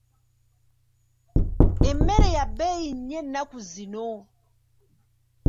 Emmere ya bbeeyi nnyo nnaku zino.